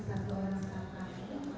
satu orang setengah